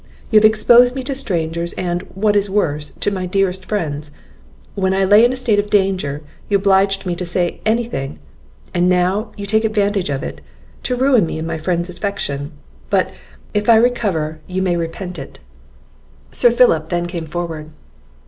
You have exposed me to strangers, and, what is worse, to my dearest friends; when I lay in a state of danger, you obliged me to say any thing, and now you take advantage of it, to ruin me in my friends' affection. But, if I recover, you may repent it!" Sir Philip then came forward.